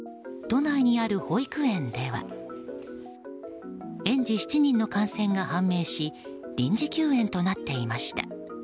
都内にある保育園では園児７人の感染が判明し臨時休園となっていました。